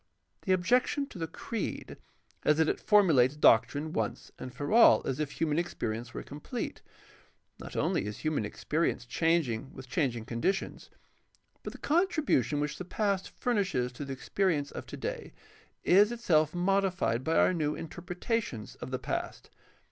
The objection to the creed is that it formu lates doctrine once and for all, as if human experience were complete. Not only is human experience changing with changing conditions, but the contribution which the past furnishes to the experience of today is itself modified by our new interpretations of the past.